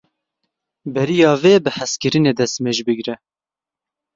Beriya vê bi hezkirinê destmêj bigire.